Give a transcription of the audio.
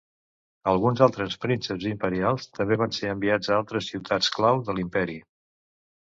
Alguns altres prínceps imperials també van ser enviats a altres ciutats clau de l'imperi.